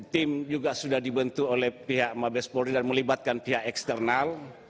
tim juga sudah dibentuk oleh pihak mabes polri dan melibatkan pihak eksternal